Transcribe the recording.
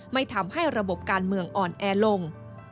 ไม่ทำให้ระบบการเมืองอ่อนแอลง